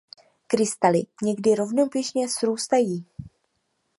Krystaly někdy rovnoběžně srůstají.